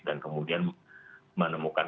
dan kemudian menemukan